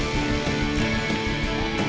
jogja imas datang